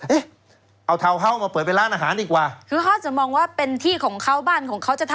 เอ๊เอาเทาเฮามาเปิดเป็นร้านอาหารดีกว่าคือเขาจะมองว่าเป็นที่ของเขาบ้านของเขาจะทำอะไรก็ได้หรือเปล่าครับ